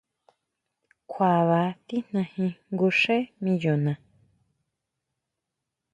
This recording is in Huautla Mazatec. Kjua ba tijnajin jngu xé miyona.